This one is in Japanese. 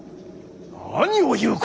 何を言うか！